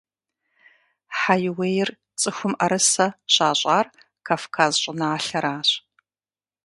Хьэиуейр цӀыхум Ӏэрысэ щащӀар Кавказ щӀыналъэращ.